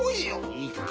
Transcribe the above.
いいか？